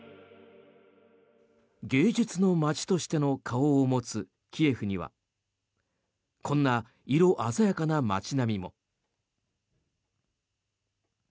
芸術の街としての顔を持つキエフにはこんな色鮮やかな街並みも。